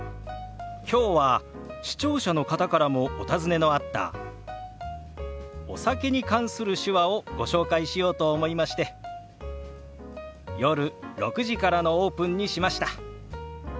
きょうは視聴者の方からもお尋ねのあったお酒に関する手話をご紹介しようと思いまして夜６時からのオープンにしました。